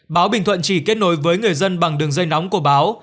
báo bình thuận chỉ kết nối với người dân bằng đường dây nóng của báo